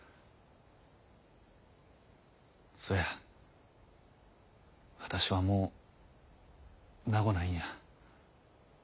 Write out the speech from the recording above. そや私はもう長ごないんや。